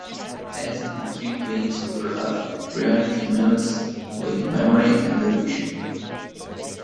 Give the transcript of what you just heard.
As the three planes overlap, reality melds with memory and delusion.